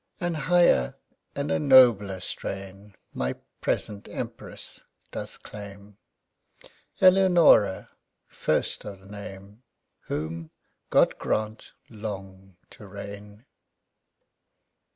An higher and a nobler strain My present Emperess does claim, Heleonora, first o'th' name; Whom God grant long to reign!